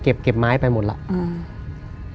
เก็บไม้ไปหมดแล้ว